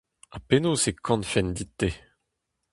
Ha penaos e kanfen dit-te ?